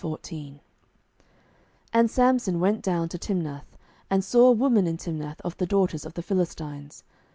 07:014:001 And Samson went down to Timnath, and saw a woman in Timnath of the daughters of the Philistines.